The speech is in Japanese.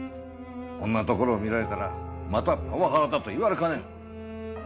こんなところを見られたらまたパワハラだと言われかねん。